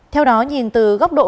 theo đó nhìn từ góc độ